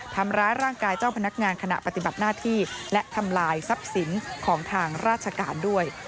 ทำร้ายร่างกายเจ้าพนักงานขณะปฏิบัติหน้าที่และทำลายทรัพย์สินของทางราชการด้วย